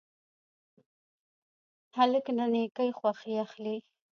هلک له نیکۍ خوښي اخلي.